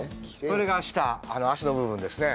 それが下脚の部分ですね。